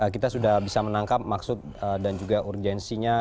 kita sudah bisa menangkap maksud dan juga urgensinya